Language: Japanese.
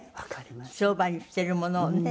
商売にしているものをね